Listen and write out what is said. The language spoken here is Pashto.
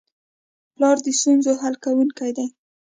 پلار د ستونزو حل کوونکی دی.